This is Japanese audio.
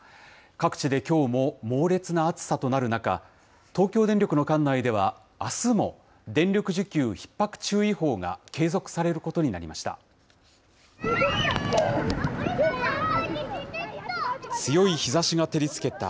各地できょうも猛烈な暑さとなる中、東京電力の管内では、あすも、電力需給ひっ迫注意報が継続されることになりました。